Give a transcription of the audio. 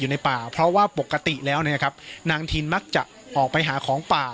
ในป่าเพราะว่าปกติแล้วนะครับนางทินมักจะออกไปหาของป่า